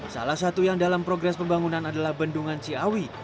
salah satu yang dalam progres pembangunan adalah bendungan ciawi